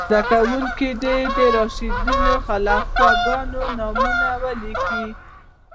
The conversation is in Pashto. زده کوونکي دې د راشدینو خلیفه ګانو نومونه ولیکئ.